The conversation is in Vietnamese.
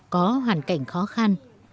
có hoàn cảnh khó khăn